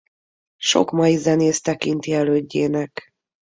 Sok mai zenész tekinti elődjének.